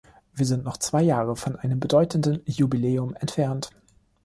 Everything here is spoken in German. Wir sind noch zwei Jahre von einem bedeutenden Jubiläum entfernt.